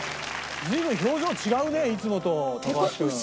随分表情違うねいつもと高橋君。